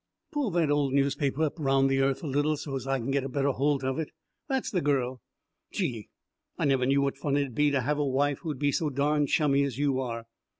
Pull that old newspaper up round the earth a little, so's I can get a better holt of it. That's the girl. Gee, I never knew what fun it'd be to have a wife who'd be so darn chummy as you are.